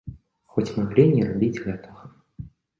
Хоць маглі і не рабіць гэтага.